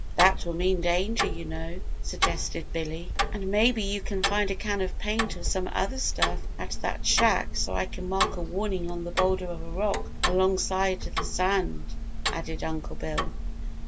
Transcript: That will mean danger, you know," suggested Billy. "And maybe you can find a can of paint or some other stuff at that shack so I can mark a warning on the boulder of rock alongside of the sand," added Uncle Bill.